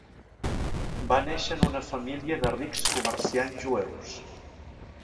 Va néixer en una família de rics comerciants jueus.